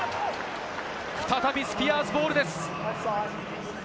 再びスピアーズボールです。